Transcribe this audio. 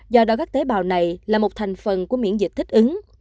do đó các tế bào này là một thành phần của miễn dịch thích ứng